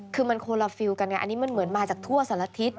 คือมันโคลาฟิลกันไงอันนี้มันเหมือนมาจากทั่วสารทิศ